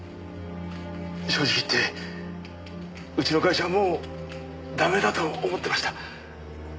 正直言ってうちの会社もうダメだと思ってました。